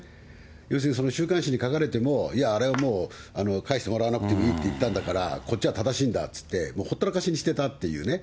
要するに週刊誌に書かれても、いや、あれはもう返してもらわなくてもいいって言ったんだから、こっちは正しいんだって言って、もうほったらかしにしてたっていうね。